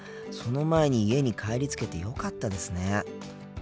その前に家に帰りつけてよかったですね。